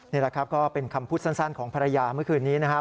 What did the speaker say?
นี่แหละครับก็เป็นคำพูดสั้นของภรรยาเมื่อคืนนี้นะครับ